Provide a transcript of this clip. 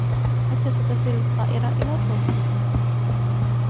متى ستصل الطائرة إلى طوكيو ؟